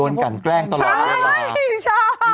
โดนกันแกล้งตลอดเวลาใช่ชอบ